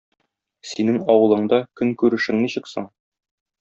Синең авылыңда көнкүрешең ничек соң?